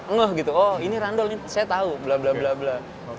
ngeh gitu oh ini randol ini saya tahu bla bla bla bla